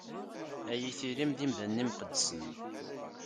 Ad yi-tilim d imdanen imqeddsen.